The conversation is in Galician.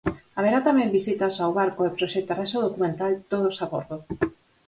Haberá tamén visitas ao barco e proxectarase o documental Todos a bordo.